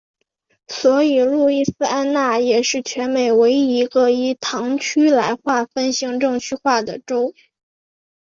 所以路易斯安那也是全美唯一一个以堂区来划分行政区划的州。